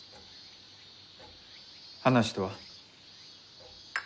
話とは？